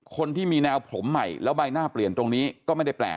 คนที่มีแนวผมใหม่แล้วใบหน้าเปลี่ยนตรงนี้ก็ไม่ได้แปลก